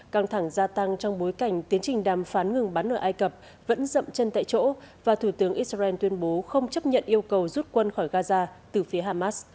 căng thẳng gia tăng trong bối cảnh tiến trình đàm phán ngừng bắn ở ai cập vẫn dậm chân tại chỗ và thủ tướng israel tuyên bố không chấp nhận yêu cầu rút quân khỏi gaza từ phía hamas